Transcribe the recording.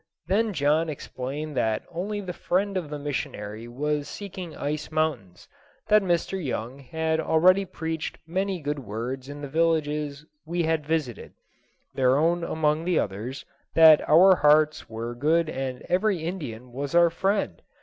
Then John explained that only the friend of the missionary was seeking ice mountains, that Mr. Young had already preached many good words in the villages we had visited, their own among the others, that our hearts were good and every Indian was our friend.